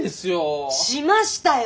しましたよ！